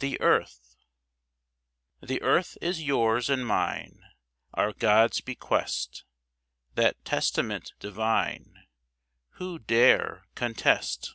THE EARTH The earth is yours and mine, Our God's bequest. That testament divine Who dare contest?